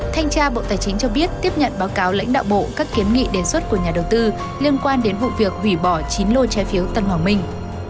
thanh tra bộ tài chính cho biết tiếp nhận báo cáo lãnh đạo bộ các kiến nghị đề xuất của nhà đầu tư liên quan đến vụ việc hủy bỏ chín lôi trái phiếu tân hoàng minh